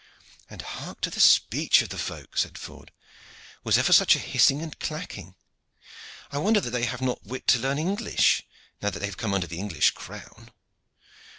"And hark to the speech of the folk!" said Ford. "Was ever such a hissing and clacking? I wonder that they have not wit to learn English now that they have come under the English crown.